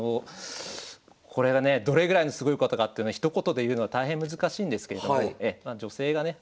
これがねどれぐらいのすごいことかっていうのはひと言で言うのは大変難しいんですけれども女性がね